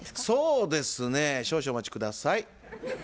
そうですね少々お待ち下さい。